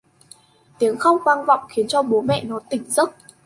Tiếng khóc vang vọng khiến cho bố mẹ nó tỉnh giấc